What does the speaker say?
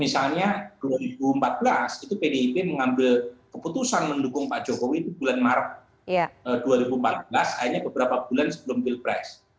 misalnya dua ribu empat belas itu pdip mengambil keputusan mendukung pak jokowi itu bulan maret dua ribu empat belas akhirnya beberapa bulan sebelum pilpres